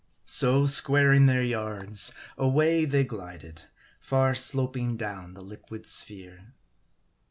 So squaring their yards, away they glided ; far sloping down the liquid sphere.